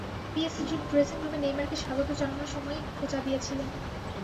পিএসজির ড্রেসিংরুমে নেইমারকে স্বাগত জানানোর সময়ই খোঁচা দিয়েছিলেন।